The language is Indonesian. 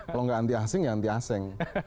kalau nggak anti asing ya anti asing